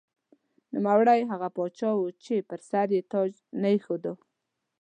نوموړی هغه پاچا و چې پر سر یې تاج نه ایښوده.